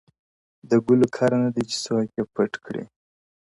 د گلو كر نه دى چي څوك يې پټ كړي.!